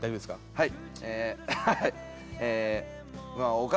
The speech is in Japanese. はい。